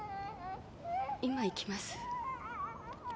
今行きます。